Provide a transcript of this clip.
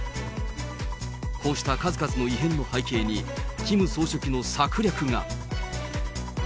こうした数々の異変の背景に、キム総書記の策略が。